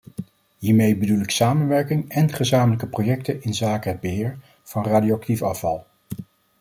Hiermee bedoel ik samenwerking en gezamenlijke projecten inzake het beheer van radioactief afval.